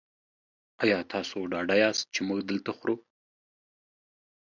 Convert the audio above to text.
ایا تاسو ډاډه یاست چې موږ دلته خورو؟